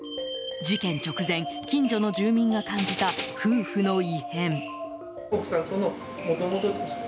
事件直前近所の住民が感じた夫婦の異変。